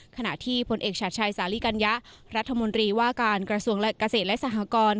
ขณะที่ผลเอกชัดชัยสาลีกัญญะรัฐมนตรีว่าการกระทรวงเกษตรและสหกร